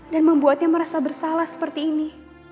dan membuatnya merasa bersalah seperti ini